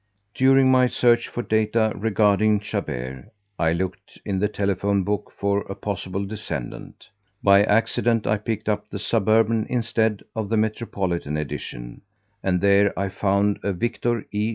During my search for data regarding Chabert I looked in the telephone book for a possible descendant. By accident I picked up the Suburban instead of the Metropolitan edition, and there I found a Victor E.